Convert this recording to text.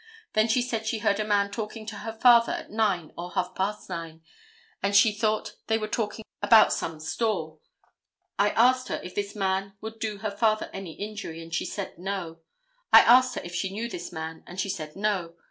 Then she said she heard a man talking to her father at 9 or half past 9, and she thought they were talking about some store. I asked her if this man would do her father any injury, and she said no. I asked her if she knew this man, and she said no.